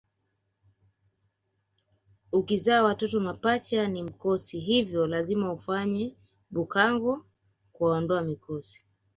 Ukizaa watoto mapacha ni mkosi hivyo lazima ufanye bhukango kuondoa mikosi